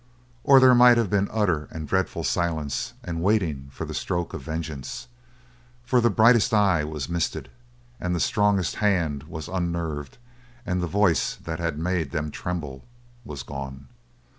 Or there might have been utter and dreadful silence and waiting for the stroke of vengeance, for the brightest eye was misted and the strongest hand was unnerved and the voice that had made them tremble was gone.